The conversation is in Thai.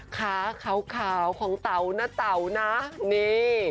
ขาขาวของเต๋านะเต๋านะนี่